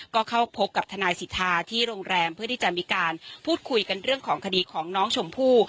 ก็เข้าพบกับทนายสิทธาที่โรงแรมเพื่อที่จะมีการพูดคุยกันเรื่องของคดีของน้องชมพู่